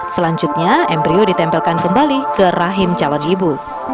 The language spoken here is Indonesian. selanjutnya embryo ditempelkan kembali ke rahim calon ibu